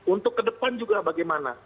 untuk ke depan juga bagaimana